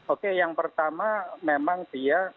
oke yang pertama memang dia